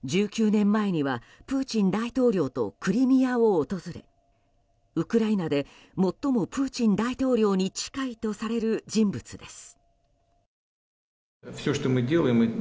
１９年前にはプーチン大統領とクリミアを訪れウクライナで最もプーチン大統領に近いとされる人物です。